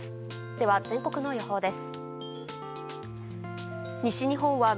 では、全国の予報です。